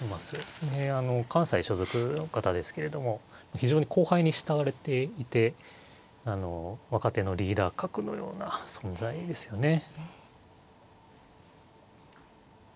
であの関西所属の方ですけれども非常に後輩に慕われていて若手のリーダー格のような存在ですよね。